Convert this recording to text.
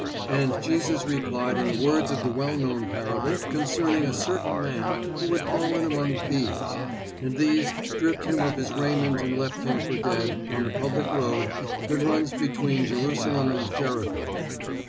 And Jesus replied in the words of the well known parable concerning a certain man who had fallen among thieves, and these stripped him of his raiment and left him for dead on the public road that runs between Jerusalem and Jericho.